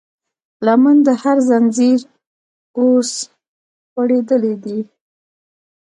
لمن د هر زنځير اوس خورېدلی دی